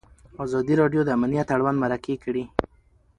ازادي راډیو د امنیت اړوند مرکې کړي.